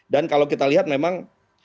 dan kalau kita lihat memang